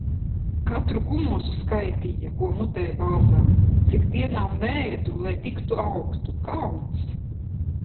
Katru kumosu skaitīja, ko mutē bāzām. Cik dienām neēdu, lai tik tu augtu. Kauns!